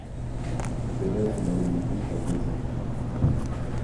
On pénètre dans l’édifice par deux portes.